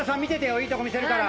いいとこ見せるから。